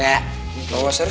ternyata itu saya yang serius